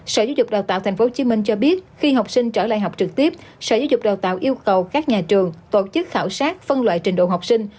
sở giáo dục đào tạo tp hcm cho biết khi học sinh trở lại học trực tiếp sở giáo dục đào tạo yêu cầu các nhà trường tổ chức khảo sát phân loại trình độ học sinh